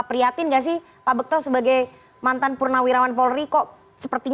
prihatin gak sih pak begto sebagai mantan purnawirawan polri kok sepertinya sedang masuk ke polisi